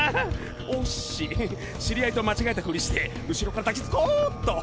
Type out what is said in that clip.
おっし知り合いと間違えたふりして後ろから抱きつこっと！